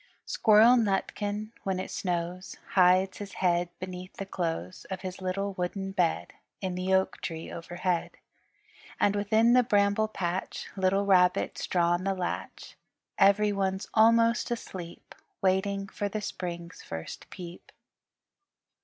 Squirrel Nutkin when it snows Hides his head beneath the clothes Of his little wooden bed In the oak tree overhead. And within the Bramble Patch Little Rabbit's drawn the latch. Everyone's almost asleep Waiting for the Spring's first peep.